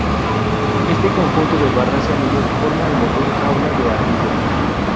Este conjunto de barras y anillos forma el motor jaula de ardilla.